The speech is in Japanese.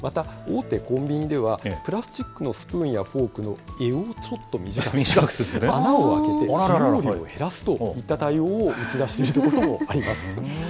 大手コンビニでは、プラスチックのスプーンやフォークの柄をちょっと短くする、穴を開けて使用量を減らすといった対応を打ち出している所もあります。